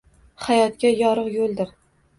Hayotga yorug’ yo’ldir.